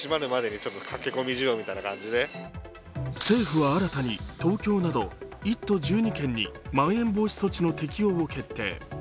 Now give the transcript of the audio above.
政府は新たに東京など１都１２県にまん延防止措置の適用を決定。